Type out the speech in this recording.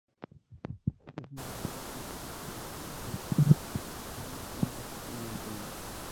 Es una torre autoportante que en su cima tiene una antena.